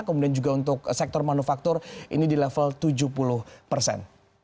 kemudian juga untuk sektor manufaktur ini di level tujuh puluh persen